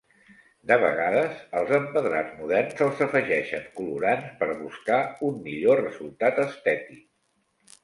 De vegades, als empedrats moderns se'ls afegeixen colorants per buscar un millor resultat estètic.